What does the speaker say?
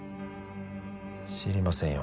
知りませんよ